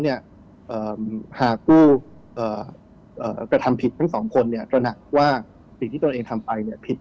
ถ้ากระทำผิดกลางสองคนตระหนักว่าสิ่งที่ตัวเองทำไปผิด